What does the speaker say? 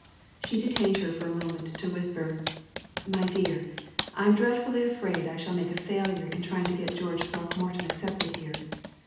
She detained her for a moment to whisper: "My dear, I am dreadfully afraid I shall make a failure in trying to get George Throckmorton accepted here.